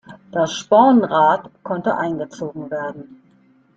Das Spornrad konnte eingezogen werden.